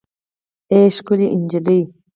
اې ښکلې نجلۍ